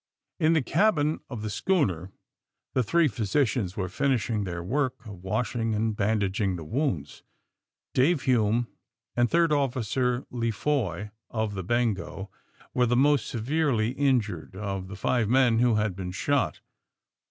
'' In the cabin of the schooner the three physi cians were finishing their work of washing and bandaging the wounds. Dave Hume and Third Officer Lefoy of the ^'Bengo" were the most severely injured of the five men who had been shot.